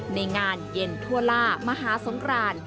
ในงานเย็นทั่วล่ามหาสงคราน